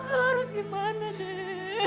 harus gimana dey